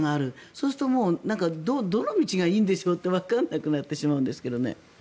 そうするとどの道がいいんでしょうってわからなくなってしまうんですけどね。